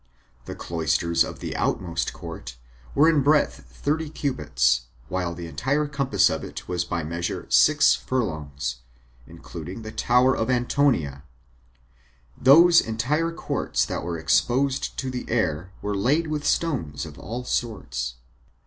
The cloisters [of the outmost court] were in breadth thirty cubits, while the entire compass of it was by measure six furlongs, including the tower of Antonia; those entire courts that were exposed to the air were laid with stones of all sorts.